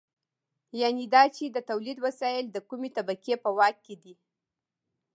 یانې دا چې د تولید وسایل د کومې طبقې په واک کې دي.